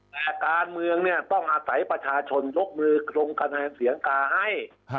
แต่การเมืองเนี่ยต้องอาศัยประชาชนยกมือคลงคะแนนเสียงกาให้